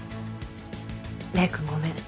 礼くんごめん。